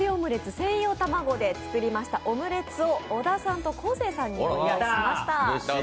専用たまごで作りました、オムレツを小田さんと昴生さんにご用意しました。